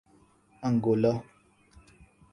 Angola